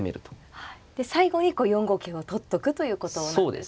最後に４五桂を取っとくということなんですね。